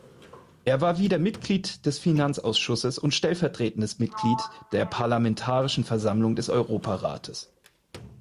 Er war wieder Mitglied des Finanzausschusses und stellvertretendes Mitglied der Parlamentarischen Versammlung des Europarates.